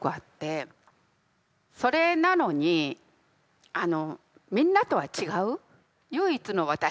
それなのにみんなとは違う唯一の私。